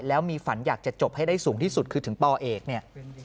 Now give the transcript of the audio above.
แล้วมีฝันอยากจะจบให้ได้สูงที่สุดคือถึงปเอกเนี่ย